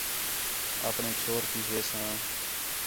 آپݨے چھور تی ہِے ساں